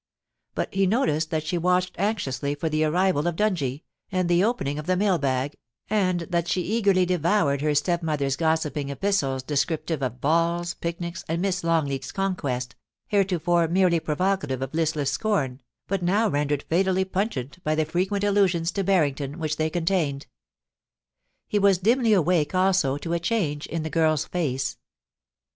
But he noticed that she watched anxiously for the arrival of Dungie, and the opening of the mail bag, and that she eagerly devoured her stepmother's gossiping epistles descriptive of balls, picnics and Miss Longleat's conquests, heretofore merely provocative of list less scorn, but now rendered fatally pungent by the frequent allusions to Barrington which they contained. He was dimly awake also to a change in the girl's face.